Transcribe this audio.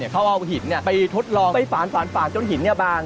เขาเอาหินไปทดลองไปฝานฝานจนหินบาง